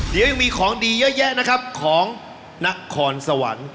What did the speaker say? เดี๋ยวยังมีของดีเยอะแยะนะครับของนครสวรรค์